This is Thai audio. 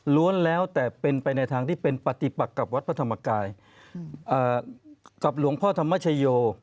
แล้วแต่เป็นไปในทางที่เป็นปฏิปักกับวัดพระธรรมกายกับหลวงพ่อธรรมชโย